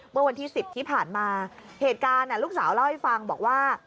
เมื่อวันที่๑๐ที่ผ่านมาเหตุการณ์ลูกสาวเล่าให้ฟังบอกว่า